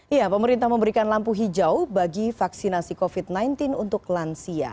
ya pemerintah memberikan lampu hijau bagi vaksinasi covid sembilan belas untuk lansia